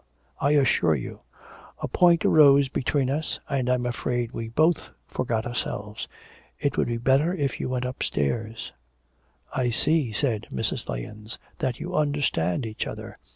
I assure you. A point arose between us, and I'm afraid we both forgot ourselves. It would be better if you went upstairs.' 'I see,' said Mrs. Lahens, 'that you understand each other.